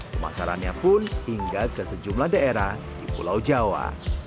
pemasarannya pun hingga ke sejumlah daerah di pulau jawa